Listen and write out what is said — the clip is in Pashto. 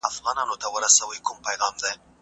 د عزت ساتني دپاره پوهه مهمه ده.